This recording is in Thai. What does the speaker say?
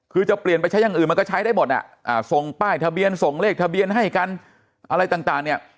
คือจะเปลี่ยนไปใช้อย่างอื่นมันก็ใช้ได้หมดอ่ะอ่าส่งป้ายทะเบียนส่งเลขทะเบียนให้กันอะไรต่างเนี่ย